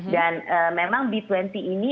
dan memang b dua puluh ini